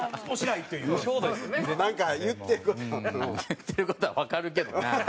言ってる事はわかるけどな。